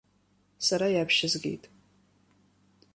Сара иаԥшьызгеит.